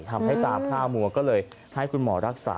ทำให้ตาพร่ามัวก็เลยให้คุณหมอรักษา